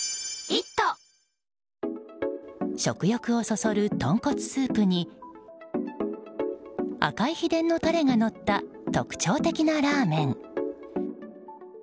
食欲をそそる豚骨スープに赤い秘伝のたれがのった特徴的なラーメン。